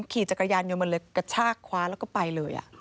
ขี่จักรยานยนต์มาเลยกระชากคว้าแล้วก็ไปเลย